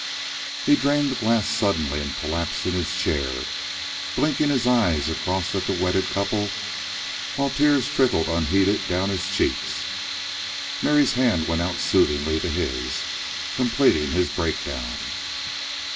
He drained the glass suddenly and collapsed in his chair, blinking his eyes across at the wedded couple while tears trickled unheeded down his cheeks. Mary's hand went out soothingly to his, completing his break down.